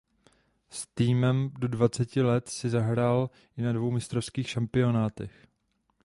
S týmem do dvaceti let si zahrál i na dvou mistrovských šampionátech.